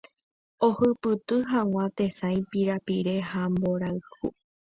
ohupyty hag̃ua tesãi, pirapire ha mborayhu.